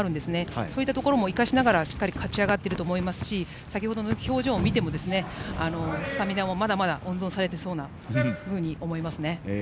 そういったところも生かしながら勝ち上がっていると思いますし先ほどの表情を見てもスタミナもまだまだ温存されていそうに思えますね。